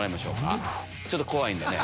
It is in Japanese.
ちょっと怖いんでね。